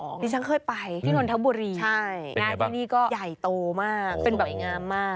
นี่ฉันเคยไปที่นทบุรีนะที่นี่ก็เป็นไงบ้างใหญ่โตมากสวยงามมาก